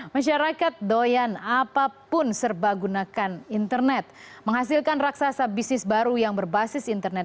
masyarakat doyan apapun serba gunakan internet menghasilkan raksasa bisnis baru yang berbasis internet